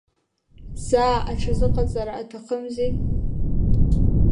Заа аҽазыҟаҵара аҭахымзи…